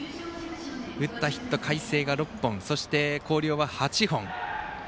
打ったヒット、海星が６本広陵が８本。